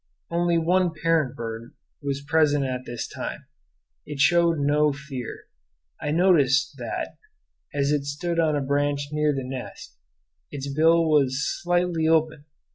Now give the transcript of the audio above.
Only one parent bird was present at this time. It showed no fear. I noticed that, as it stood on a branch near the nest, its bill was slightly open.